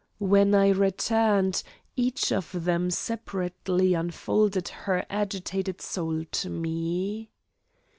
When I returned, each of them separately unfolded her agitated soul to me....